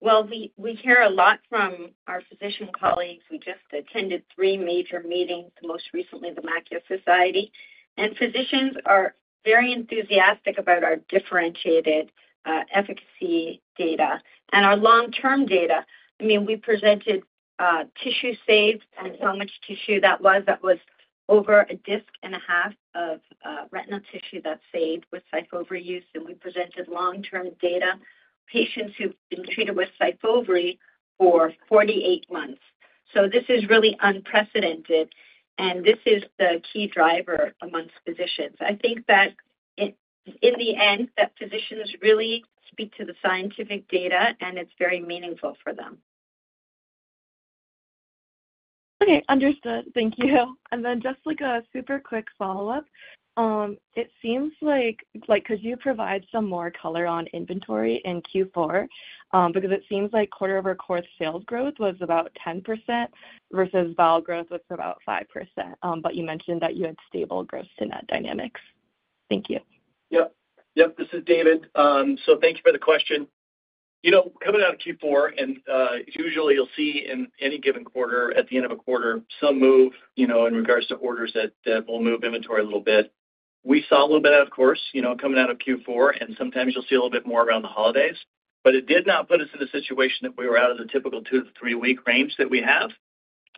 Well, we hear a lot from our physician colleagues. We just attended three major meetings, most recently the Macula Society, and physicians are very enthusiastic about our differentiated efficacy data and our long-term data. I mean, we presented tissue saved and how much tissue that was. That was over a disc and a half of retinal tissue that saved with SYFOVRE use, and we presented long-term data of patients who've been treated with SYFOVRE for 48 months, so this is really unprecedented, and this is the key driver among physicians. I think that in the end, physicians really speak to the scientific data, and it's very meaningful for them. Okay. Understood. Thank you. And then just like a super quick follow-up, it seems like could you provide some more color on inventory in Q4? Because it seems like quarter-over-quarter sales growth was about 10% versus volume growth was about 5%. But you mentioned that you had stable gross-to-net dynamics. Thank you. Yep. Yep. This is David, so thank you for the question. Coming out of Q4, and usually you'll see in any given quarter, at the end of a quarter, some move in regards to orders that will move inventory a little bit. We saw a little bit of that, of course, coming out of Q4. And sometimes you'll see a little bit more around the holidays. But it did not put us in a situation that we were out of the typical two- to three-week range that we have.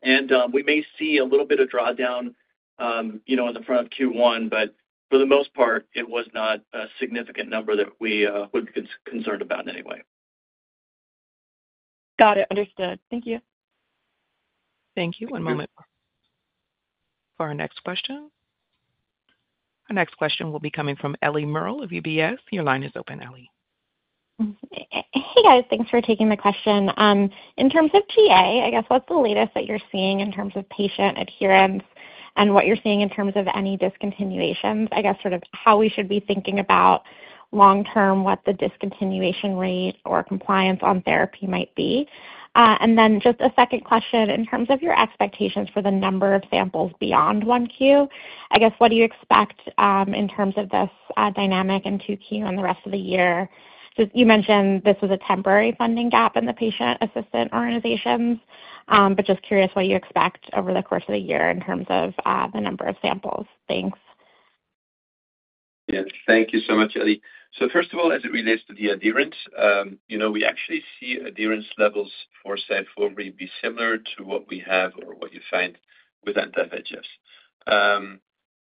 And we may see a little bit of drawdown in the front of Q1, but for the most part, it was not a significant number that we would be concerned about in any way. Got it. Understood. Thank you. Thank you. One moment for our next question. Our next question will be coming from Ellie Merle of UBS. Your line is open, Ellie. Hey, guys. Thanks for taking the question. In terms of TA, I guess, what's the latest that you're seeing in terms of patient adherence and what you're seeing in terms of any discontinuations? I guess sort of how we should be thinking about long-term, what the discontinuation rate or compliance on therapy might be. And then just a second question in terms of your expectations for the number of samples beyond one Q. I guess, what do you expect in terms of this dynamic in two Q and the rest of the year? You mentioned this was a temporary funding gap in the patient-assisted organizations, but just curious what you expect over the course of the year in terms of the number of samples. Thanks. Yeah. Thank you so much, Ellie. So first of all, as it relates to the adherence, we actually see adherence levels for SYFOVRE be similar to what we have or what you find with Eylea HD,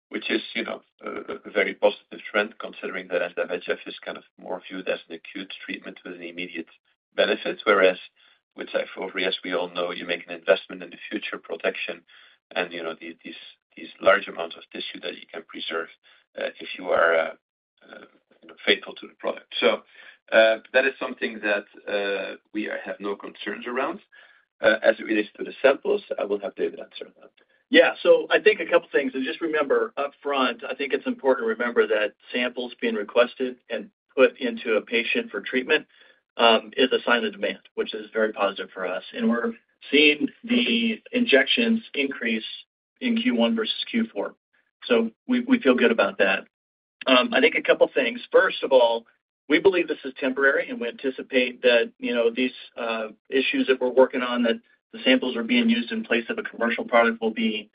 which is a very positive trend considering that Eylea HD is kind of more viewed as an acute treatment with an immediate benefit, whereas with SYFOVRE, as we all know, you make an investment in the future protection and these large amounts of tissue that you can preserve if you are faithful to the product. So that is something that we have no concerns around. As it relates to the samples, I will have David answer that. Yeah. So I think a couple of things. Just remember upfront, I think it's important to remember that samples being requested and put into a patient for treatment is a sign of demand, which is very positive for us. We're seeing the injections increase in Q1 versus Q4. We feel good about that. I think a couple of things. First of all, we believe this is temporary, and we anticipate that these issues that we're working on, that the samples are being used in place of a commercial product, will be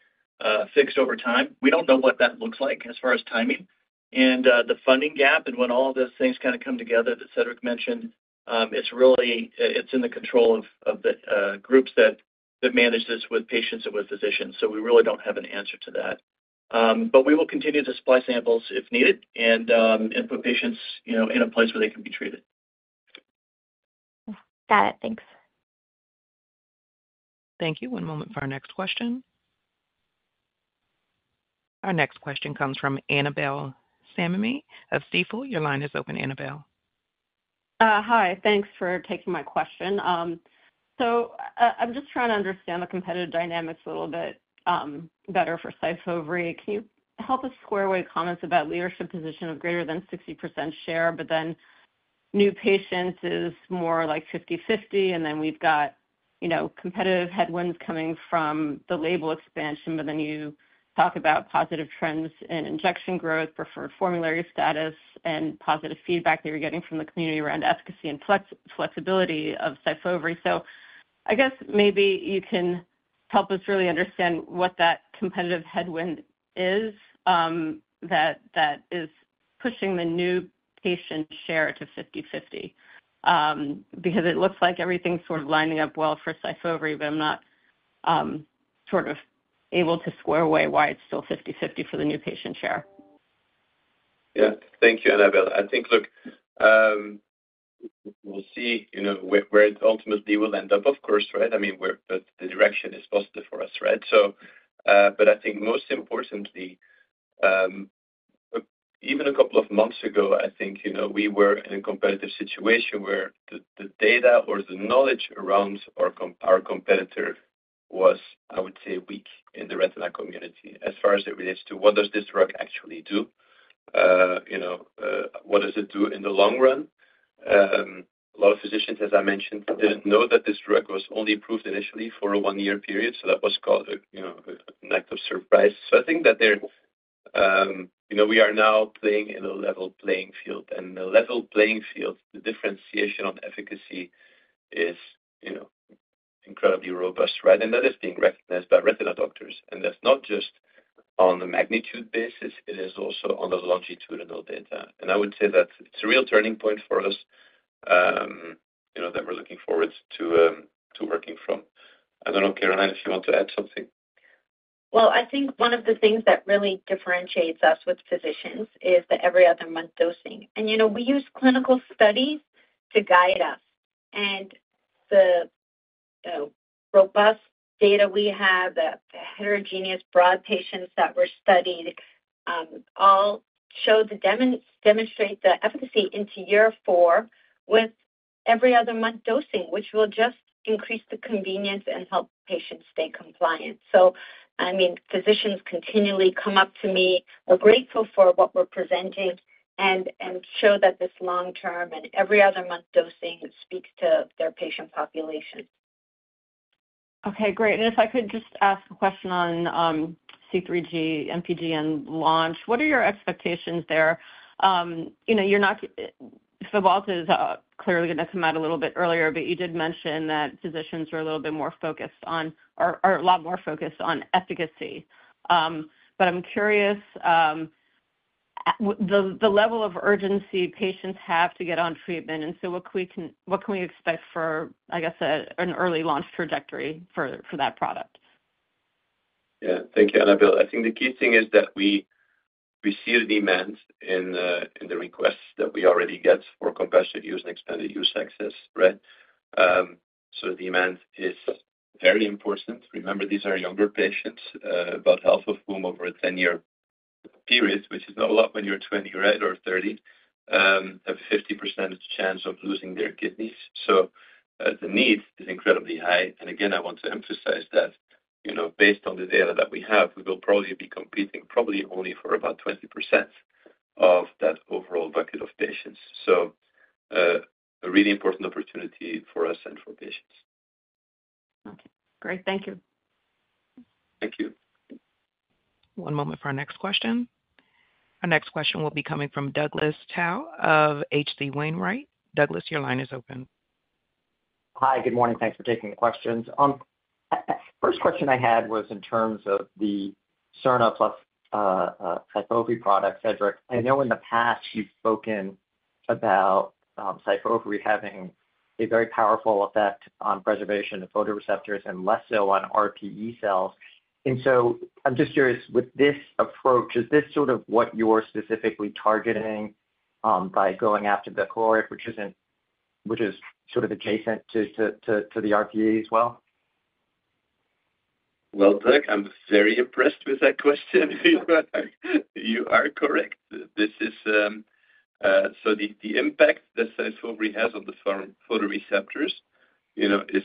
fixed over time. We don't know what that looks like as far as timing. The funding gap and when all of those things kind of come together that Cedric mentioned, it's in the control of the groups that manage this with patients and with physicians. We really don't have an answer to that. But we will continue to supply samples if needed and put patients in a place where they can be treated. Got it. Thanks. Thank you. One moment for our next question. Our next question comes from Annabel Samimi of Stifel. Your line is open, Annabel. Hi. Thanks for taking my question. So I'm just trying to understand the competitive dynamics a little bit better for SYFOVRE. Can you help us square away comments about leadership position of greater than 60% share, but then new patients is more like 50/50, and then we've got competitive headwinds coming from the label expansion, but then you talk about positive trends in injection growth, preferred formulary status, and positive feedback that you're getting from the community around efficacy and flexibility of SYFOVRE. So I guess maybe you can help us really understand what that competitive headwind is that is pushing the new patient share to 50/50 because it looks like everything's sort of lining up well for SYFOVRE, but I'm not sort of able to square away why it's still 50/50 for the new patient share. Yeah. Thank you, Annabel. I think, look, we'll see where it ultimately will end up, of course, right? I mean, the direction is positive for us, right? But I think most importantly, even a couple of months ago, I think we were in a competitive situation where the data or the knowledge around our competitor was, I would say, weak in the retina community as far as it relates to what does this drug actually do? What does it do in the long run? A lot of physicians, as I mentioned, didn't know that this drug was only approved initially for a one-year period. So that was called an act of surprise. So I think that we are now playing in a level playing field. And the level playing field, the differentiation on efficacy is incredibly robust, right? And that is being recognized by retina doctors. That's not just on the magnitude basis. It is also on the longitudinal data. I would say that it's a real turning point for us that we're looking forward to working from. I don't know, Caroline, if you want to add something. I think one of the things that really differentiates us with physicians is the every other month dosing. And we use clinical studies to guide us. And the robust data we have, the heterogeneous broad patients that were studied, all show and demonstrate the efficacy into year four with every other month dosing, which will just increase the convenience and help patients stay compliant. So I mean, physicians continually come up to me, are grateful for what we're presenting, and show that this long-term and every other month dosing speaks to their patient population. Okay. Great. And if I could just ask a question on C3G, MPGN, and launch, what are your expectations there? Fabhalta is clearly going to come out a little bit earlier, but you did mention that physicians are a little bit more focused on or a lot more focused on efficacy. But I'm curious, the level of urgency patients have to get on treatment. And so what can we expect for, I guess, an early launch trajectory for that product? Yeah. Thank you, Annabel. I think the key thing is that we see a demand in the requests that we already get for compassionate use and expanded access, right? So demand is very important. Remember, these are younger patients, about half of whom over a 10-year period, which is not a lot when you're 20, right, or 30, have a 50% chance of losing their kidneys. So the need is incredibly high. And again, I want to emphasize that based on the data that we have, we will probably be competing probably only for about 20% of that overall bucket of patients. So a really important opportunity for us and for patients. Okay. Great. Thank you. Thank you. One moment for our next question. Our next question will be coming from Douglas Tsao of H.C. Wainwright. Douglas, your line is open. Hi. Good morning. Thanks for taking the questions. First question I had was in terms of the APL-3007 plus SYFOVRE product, Cedric. I know in the past you've spoken about SYFOVRE having a very powerful effect on preservation of photoreceptors and less so on RPE cells. And so I'm just curious, with this approach, is this sort of what you're specifically targeting by going after the choroid, which is sort of adjacent to the RPE as well? Doug, I'm very impressed with that question. You are correct. The impact that SYFOVRE has on the photoreceptors is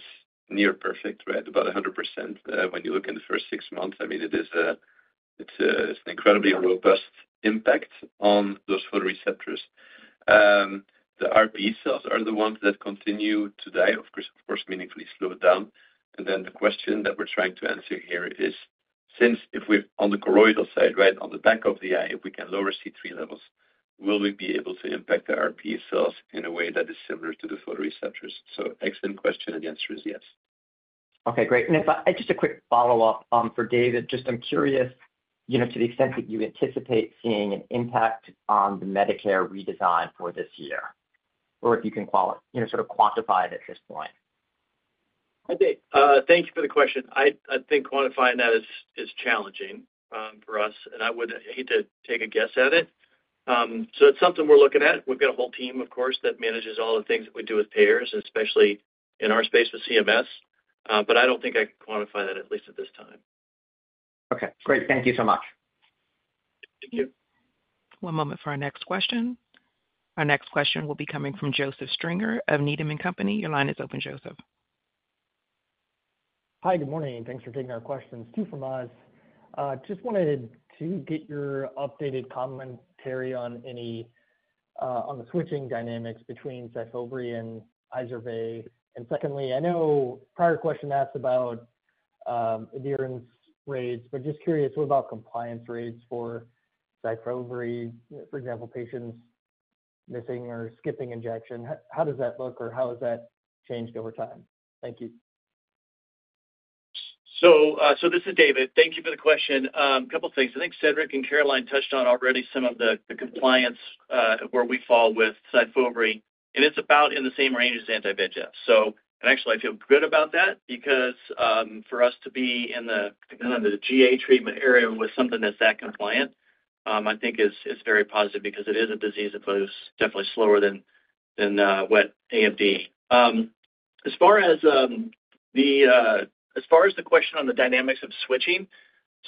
near perfect, right? About 100% when you look in the first six months. I mean, it's an incredibly robust impact on those photoreceptors. The RPE cells are the ones that continue to die, of course, meaningfully slowed down. Then the question that we're trying to answer here is, since if we're on the choroidal side, right, on the back of the eye, if we can lower C3 levels, will we be able to impact the RPE cells in a way that is similar to the photoreceptors? Excellent question. The answer is yes. Okay. Great. And just a quick follow-up for David. Just, I'm curious, to the extent that you anticipate seeing an impact on the Medicare redesign for this year, or if you can sort of quantify it at this point? Thank you for the question. I think quantifying that is challenging for us, and I would hate to take a guess at it. So it's something we're looking at. We've got a whole team, of course, that manages all the things that we do with payers, especially in our space with CMS. But I don't think I can quantify that, at least at this time. Okay. Great. Thank you so much. Thank you. One moment for our next question. Our next question will be coming from Joseph Stringer of Needham & Company. Your line is open, Joseph. Hi. Good morning. Thanks for taking our questions. Two from us. Just wanted to get your updated commentary on the switching dynamics between SYFOVRE and Izervay. And secondly, I know prior question asked about adherence rates, but just curious, what about compliance rates for SYFOVRE, for example, patients missing or skipping injection? How does that look, or how has that changed over time? Thank you. So this is David. Thank you for the question. A couple of things. I think Cedric and Caroline touched on already some of the compliance where we fall with SYFOVRE. And it's about in the same range as Eylea HD. And actually, I feel good about that because for us to be in the GA treatment area with something that's that compliant, I think is very positive because it is a disease that flows definitely slower than wet AMD. As far as the question on the dynamics of switching,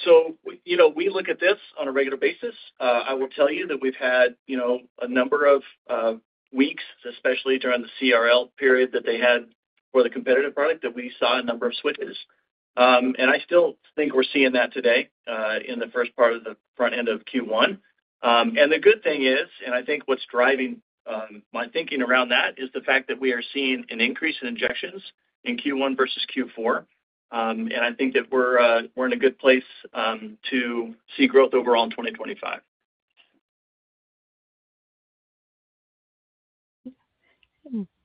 so we look at this on a regular basis. I will tell you that we've had a number of weeks, especially during the CRL period that they had for the competitive product, that we saw a number of switches. And I still think we're seeing that today in the first part of the front end of Q1. The good thing is, and I think what's driving my thinking around that is the fact that we are seeing an increase in injections in Q1 versus Q4. I think that we're in a good place to see growth overall in 2025.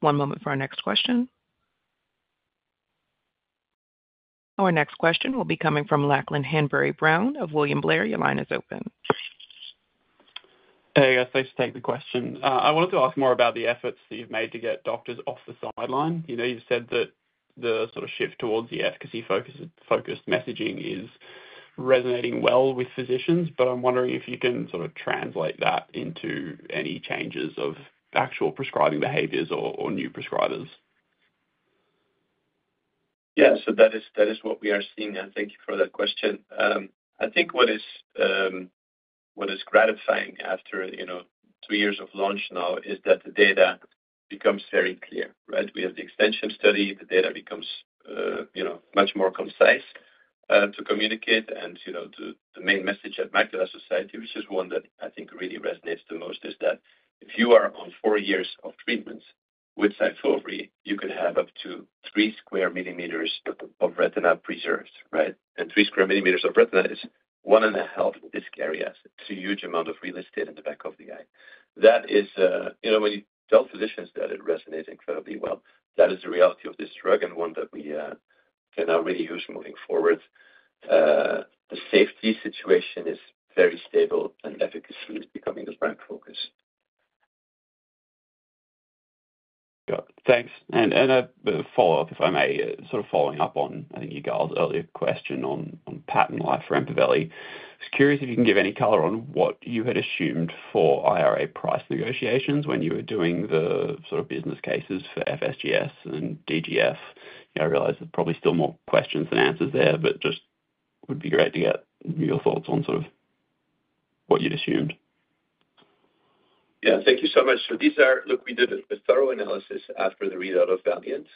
One moment for our next question. Our next question will be coming from Lachlan Hanbury-Brown of William Blair. Your line is open. Hey, thanks for taking the question. I wanted to ask more about the efforts that you've made to get doctors off the sideline. You've said that the sort of shift towards the efficacy-focused messaging is resonating well with physicians, but I'm wondering if you can sort of translate that into any changes of actual prescribing behaviors or new prescribers? Yeah. So that is what we are seeing. And thank you for that question. I think what is gratifying after two years of launch now is that the data becomes very clear, right? We have the extension study. The data becomes much more concise to communicate. And the main message at Macula Society, which is one that I think really resonates the most, is that if you are on four years of treatments with SYFOVRE, you can have up to three square millimeters of retina preserved, right? And three square millimeters of retina is one and a half disc areas. It's a huge amount of real estate in the back of the eye. That is when you tell physicians that it resonates incredibly well. That is the reality of this drug and one that we can now really use moving forward. The safety situation is very stable, and efficacy is becoming the prime focus. Got it. Thanks. And a follow-up, if I may, sort of following up on, I think, you guys' earlier question on patent life for EMPAVELI. I was curious if you can give any color on what you had assumed for IRA price negotiations when you were doing the sort of business cases for FSGS and DGF. I realize there's probably still more questions than answers there, but just would be great to get your thoughts on sort of what you'd assumed. Yeah. Thank you so much. So these are, look, we did a thorough analysis after the readout of VALIANT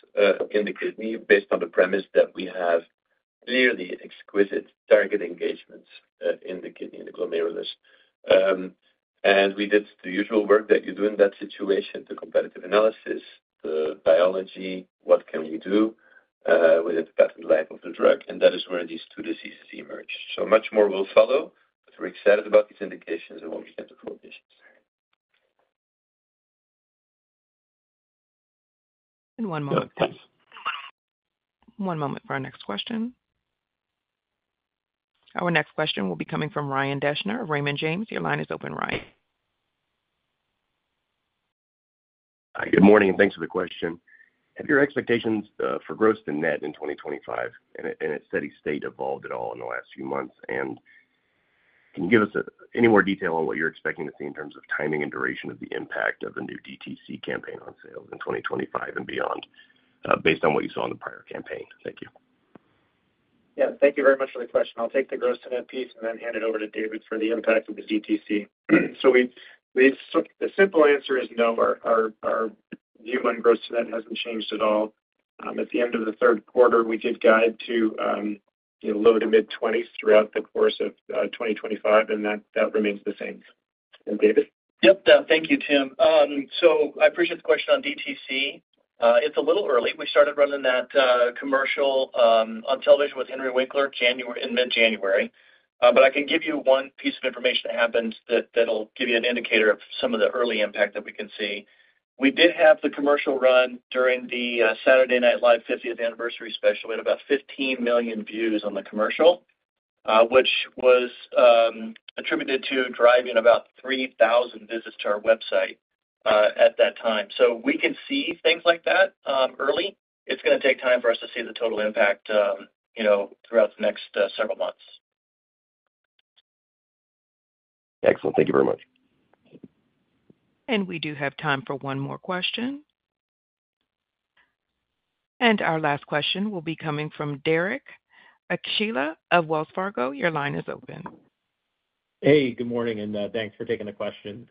in the kidney based on the premise that we have clearly exquisite target engagements in the kidney and the glomerulus. And we did the usual work that you do in that situation, the competitive analysis, the biology, what can we do with the patent life of the drug. And that is where these two diseases emerge. So much more will follow, but we're excited about these indications and what we can do for patients. And one moment, please. One moment for our next question. Our next question will be coming from Ryan Deschner of Raymond James. Your line is open, Ryan. Hi. Good morning. And thanks for the question. Have your expectations for growth's been met in 2025? And has steady state evolved at all in the last few months? And can you give us any more detail on what you're expecting to see in terms of timing and duration of the impact of the new DTC campaign on sales in 2025 and beyond based on what you saw in the prior campaign? Thank you. Yeah. Thank you very much for the question. I'll take the growth to that piece and then hand it over to David for the impact of the DTC. So the simple answer is no. Our view on growth to that hasn't changed at all. At the end of the Q3, we did guide to low-to-mid-20s throughout the course of 2025, and that remains the same. And David? Yep. Thank you, Tim. So I appreciate the question on DTC. It's a little early. We started running that commercial on television with Henry Winkler in mid-January. But I can give you one piece of information that happened that'll give you an indicator of some of the early impact that we can see. We did have the commercial run during the Saturday Night Live 50th Anniversary Special at about 15 million views on the commercial, which was attributed to driving about 3,000 visits to our website at that time. So we can see things like that early. It's going to take time for us to see the total impact throughout the next several months. Excellent. Thank you very much. And we do have time for one more question. And our last question will be coming from Derek Archila of Wells Fargo. Your line is open. Hey, good morning, and thanks for taking the question.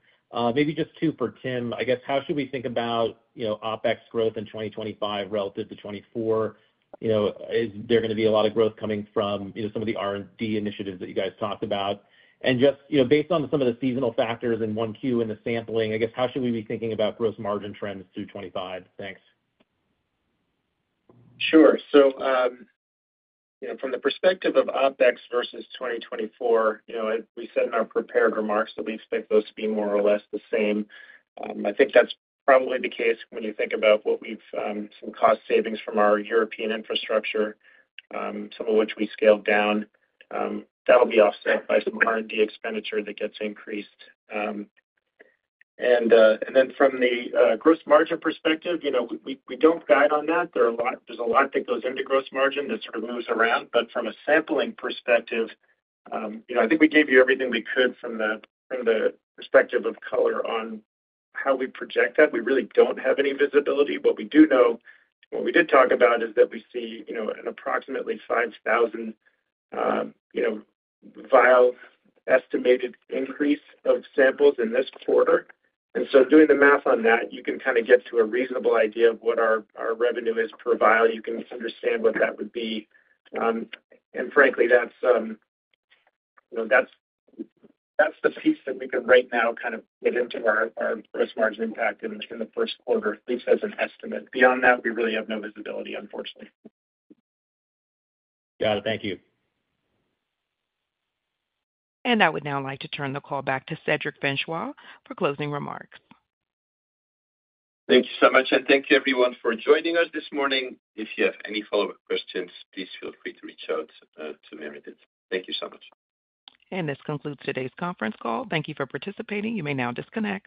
Maybe just two for Tim. I guess, how should we think about OpEx growth in 2025 relative to 2024? Is there going to be a lot of growth coming from some of the R&D initiatives that you guys talked about, and just based on some of the seasonal factors in Q1 and the sampling, I guess, how should we be thinking about gross margin trends through 2025? Thanks. Sure. So from the perspective of OpEx versus 2024, as we said in our prepared remarks, that we expect those to be more or less the same. I think that's probably the case when you think about what we've some cost savings from our European infrastructure, some of which we scaled down. That'll be offset by some R&D expenditure that gets increased. And then from the gross margin perspective, we don't guide on that. There's a lot that goes into gross margin that sort of moves around. But from a sampling perspective, I think we gave you everything we could from the perspective of color on how we project that. We really don't have any visibility. What we do know, what we did talk about, is that we see an approximately 5,000 vial estimated increase of samples in this quarter. And so doing the math on that, you can kind of get to a reasonable idea of what our revenue is per vial. You can understand what that would be. And frankly, that's the piece that we can right now kind of get into our gross margin impact in the Q1, at least as an estimate. Beyond that, we really have no visibility, unfortunately. Got it. Thank you. I would now like to turn the call back to Cedric Francois for closing remarks. Thank you so much. And thank you, everyone, for joining us this morning. If you have any follow-up questions, please feel free to reach out to me. Thank you so much. This concludes today's conference call. Thank you for participating. You may now disconnect.